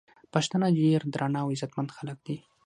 پښتانه ډير درانه او عزتمن خلک دي